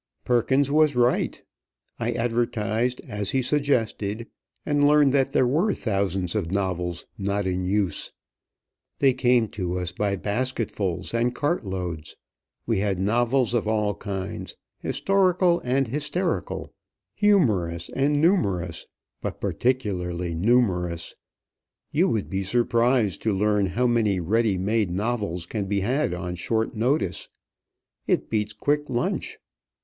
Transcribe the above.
Perkins was right. I advertised as he suggested, and learned that there were thousands of novels not in use. They came to us by basketfuls and cartloads. We had novels of all kinds, historical and hysterical, humorous and numerous, but particularly numerous. You would be surprised to learn how many ready made novels can be had on short notice. It beats quick lunch.